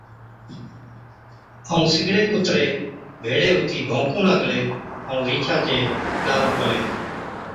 ائُون سِگڙي ڪُتري ڀيڙي هُتِي ڀوڪُون لاگلي ائُون رِينڇا چي لارُون پلي۔